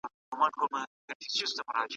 شتمن خلګ به نور هم شتمن سي.